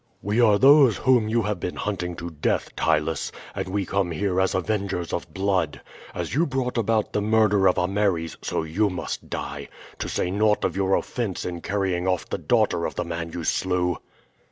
"We are those whom you have been hunting to death, Ptylus; and we come here as avengers of blood. As you brought about the murder of Ameres, so you must die to say naught of your offense in carrying off the daughter of the man you slew."